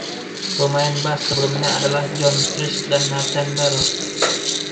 Pemain bas sebelumnya adalah John Chriest dan Nathan Bell.